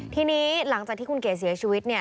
ทีนี้หลังจากที่คุณเก๋เสียชีวิต